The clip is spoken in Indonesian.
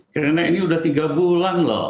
karena ini sudah tiga bulan loh